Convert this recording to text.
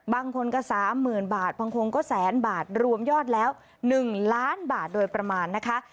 บางคนก็๓๐๐๐บาทบางคนก็แสนบาทรวมยอดแล้ว๑ล้านบาทโดยประมาณนะคะ